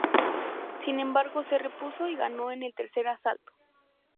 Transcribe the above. Sin embargo se repuso y ganó en el tercer asalto.